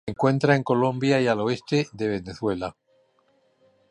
Se encuentra en Colombia y al oeste de Venezuela.